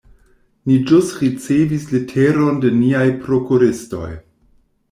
Ni ĵus ricevis leteron de niaj prokuristoj.